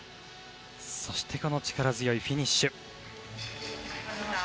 そしてこの力強いフィニッシュ。